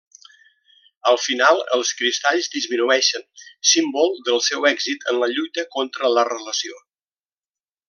Al final, els cristalls disminueixen, símbol del seu èxit en la lluita contra la relació.